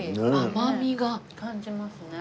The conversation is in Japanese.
甘みが。感じますね。